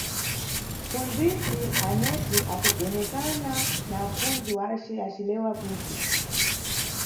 Mʼpfundzisi Aneti akugonekana na apfundzi wace acilewa kuti.